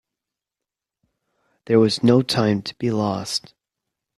There was no time to be lost.